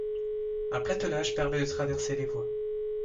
Un platelage permet de traverser les voies.